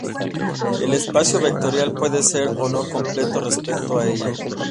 El espacio vectorial puede ser o no completo respecto a ella.